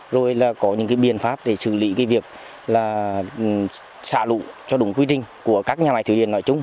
rồi có những biện pháp để xử lý việc xả lũ cho đúng quy trình của các nhà máy thủy điện nói chung